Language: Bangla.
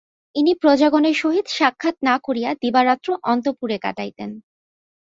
ইনি প্রজাগণের সহিত সাক্ষাৎ না করিয়া দিবারাত্র অন্তঃপুরে কাটাইতেন।